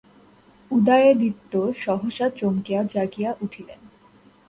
উদয়াদিত্য সহসা চমকিয়া জাগিয়া উঠিলেন।